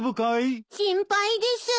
心配です。